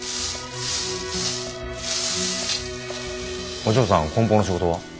お嬢さんこん包の仕事は？